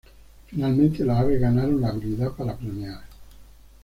Finalmente, las aves ganaron la habilidad para planear.